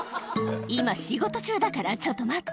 今、仕事中だからちょっと待って。